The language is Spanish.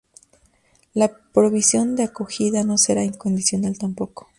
La provisión de acogida no será incondicional tampoco.